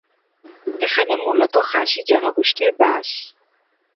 এখানে মূলত খাসি জনগোষ্ঠীর বাস।